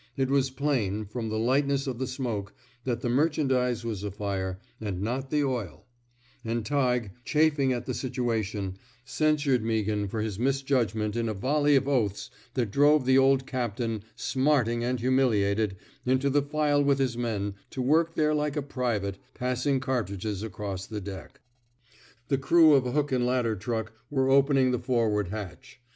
It was plain, from the lightness of the smoke, that the merchandise was afire and not the oil; and Tighe, chafing at the situation, censured Meaghan for his misjudgment in a volley of oaths that drove the old cap tain, smarting and humiliated, into the file with his men, to work there like a private, passing cartridges across the deck. 43 THE SMOKE EATEES The crew of a hook and ladder truck were opening the forward hatch.